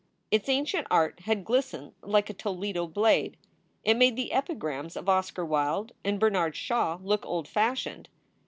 Its ancient art had glistened like a Toledo blade. It made the epigrams of Oscar Wilde and Bernard Shaw look old fashioned.